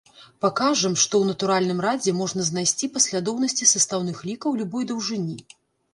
Пакажам, што ў натуральным радзе можна знайсці паслядоўнасці састаўных лікаў любой даўжыні.